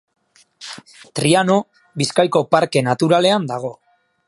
Triano Bizkaiko parkea naturalean dago.